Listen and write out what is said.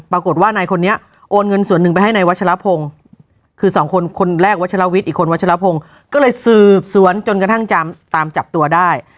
ปรากฏว่านายคนนี้โอนเงินส่วนหนึ่งไปให้นายวัชลพงศ์คือสองคนคนแรกวัชลวิทย์อีกคนวัชลพงศ์ก็เลยสืบสวนจนกระทั่งตามจับตัวได้